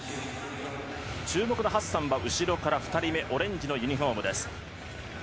注目のハッサンは後ろから２人目、オレンジのユニホームです。